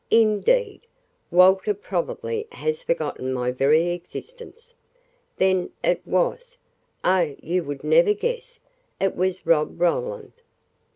"Indeed, Walter probably has forgotten my very existence." "Then it was " "Oh, you would never guess. It was Rob Roland!"